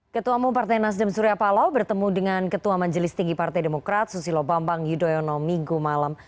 ketua mu partai nasdem surya palau bertemu dengan ketua manjelis tinggi partai demokrat susilo bambang yudhoyono migu malam